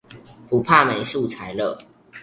不怕沒素材了